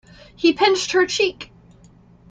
He pinched her cheek.